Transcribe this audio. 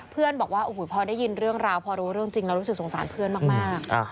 เพื่อนบอกว่าพอได้ยินเรื่องราวพอรู้เรื่องจริงแล้วรู้สึกสงสารเพื่อนมาก